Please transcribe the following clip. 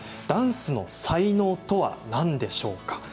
ダンスの才能とは何でしょうか？